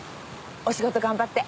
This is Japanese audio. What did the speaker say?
お仕事頑張って。